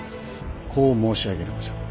こう申し上げるのじゃ。